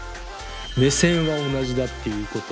目線は同じだっていうこと。